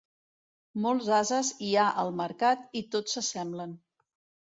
Molts ases hi ha al mercat, i tots s'assemblen.